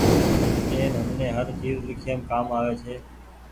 پين همني هر چيز ليکيم ڪآم آوي ڇي۔